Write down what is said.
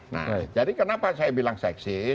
nah jadi kenapa saya bilang seksi